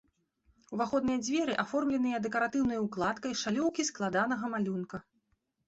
Уваходныя дзверы аформленыя дэкаратыўнай укладкай шалёўкі складанага малюнка.